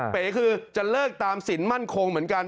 เป๋คือจะเลิกตามสินมั่นคงเหมือนกัน